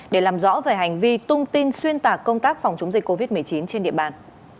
để làm rõ về hành vi tung tin xuyên tạc công tác phòng chống dịch covid một mươi chín trên địa bàn